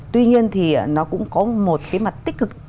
tuy nhiên thì nó cũng có một cái mặt tích cực